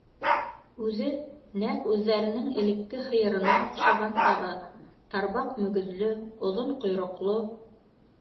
Үҙе нәҡ үҙҙәренең элекке һыйырына оҡшаған тағы: тарбаҡ мөгөҙлө, оҙон ҡойроҡло.